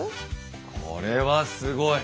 これはすごい。